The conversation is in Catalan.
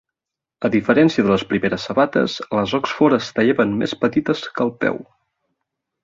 A diferència de les primeres sabates, les Oxford es tallaven més petites que el peu.